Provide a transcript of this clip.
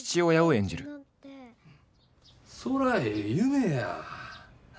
そらええ夢や！